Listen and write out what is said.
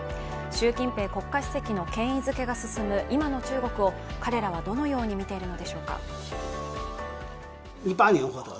習近平国家主席の権威づけが進む今の中国を彼らは、どのように見ているのでしょうか。